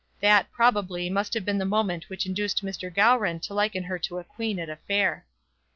That, probably, must have been the moment which induced Mr. Gowran to liken her to a quean at a fair.